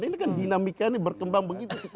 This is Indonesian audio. ini kan dinamika ini berkembang begitu cepat juga